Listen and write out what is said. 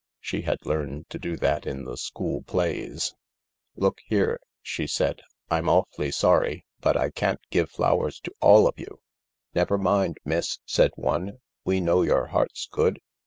She had learned to do that in the school plays, "Look here/' she said, "I'm awfully sorry, but I can't give flowers to all of you," "Never mind, miss," said one, "we know your heart's good."